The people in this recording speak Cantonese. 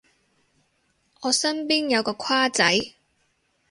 我身邊有個跨仔